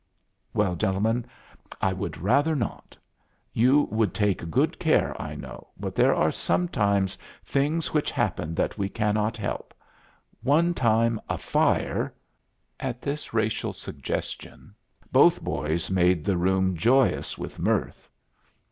"Well, gentlemen, I would rather not. You would take good care, I know, but there are sometimes things which happen that we cannot help. One time a fire " At this racial suggestion both boys made the room joyous with mirth.